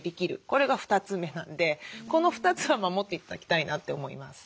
これが２つ目なんでこの２つは守って頂きたいなって思います。